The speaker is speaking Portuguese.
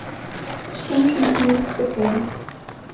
Estamos no começo da queda.